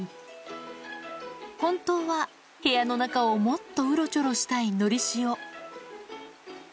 本当は部屋の中をもっとうろちょろしたいのりしお。